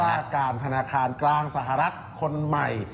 ว่าการธนาคารกลางสหรัฐคนใหม่